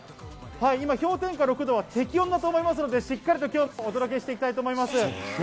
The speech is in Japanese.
氷点下６度は適温だと思うので、今日はしっかりお伝えしていきたいと思います。